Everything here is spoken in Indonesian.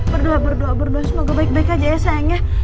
berdoa berdoa berdoa semoga baik baik aja ya sayangnya